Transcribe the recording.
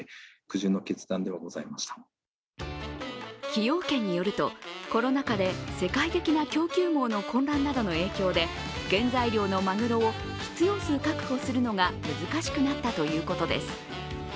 崎陽軒によるとコロナ禍で世界的な供給網の混乱などの影響で原材料のマグロを必要数確保するのが難しくなったということです。